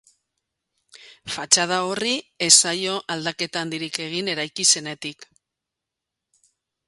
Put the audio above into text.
Fatxada horri ez zaio aldaketa handirik egin eraiki zenetik.